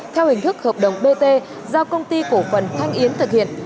theo hình thức hợp đồng bt do công ty cổ phần thanh yến thực hiện